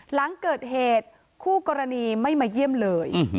หลังเกิดเหตุคู่กรณีไม่มาเยี่ยมเลย